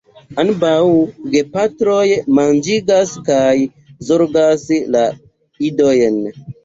Ambaŭ gepatroj manĝigas kaj zorgas la idojn.